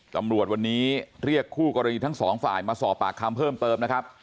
ตำรวจวันนี้เรียกคู่กรณีทั้งสองฝ่ายมาสอบปากคำเพิ่มเติมนะครับ